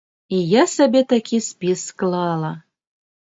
І я сабе такі спіс склала.